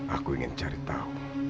aku ingin cari tahu